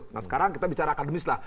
nah sekarang kita bicara akademis lah